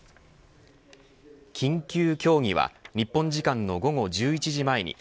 緊急協議は日本時間の午後１１時前に